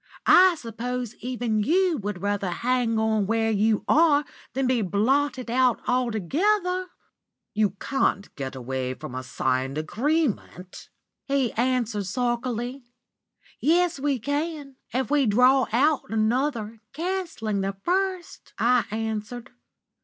I suppose even you would rather hang on where you are than be blotted out altogether.' "'We can't get away from a signed agreement,' he said sulkily. "Yes we can, if we draw out another, cancelling the first,' I answered.